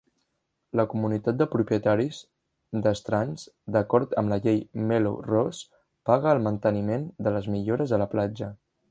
La comunitat de propietaris de Strands, d'acord amb la llei Mello-Roos, paga el manteniment de les millores a la platja.